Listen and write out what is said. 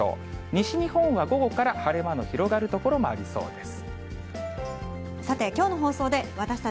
西日本は午後から晴れ間の広がる所もありそうです。